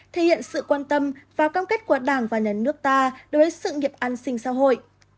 thể hiện sự quan tâm và cam kết của đảng và nhà nước ta đối với sự nghiệp an sinh xã hội